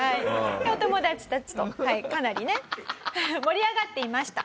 お友達たちとかなりね盛り上がっていました。